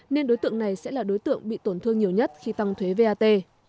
nên đối tượng này sẽ là đối tượng bị tổn thương nhiều nhất khi tăng thuế vat